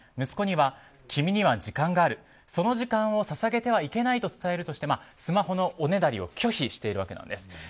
息子には、君には時間があるその時間を捧げてはいけないと伝えるとしてスマホのおねだりを拒否しているわけです。